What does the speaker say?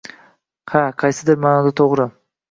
— Ha, qaysidir ma’noda to‘g‘ri.